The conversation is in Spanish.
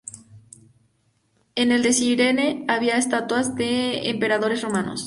En el de Cirene había estatuas de emperadores romanos.